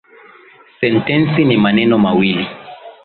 Sentensi ni maneno mawili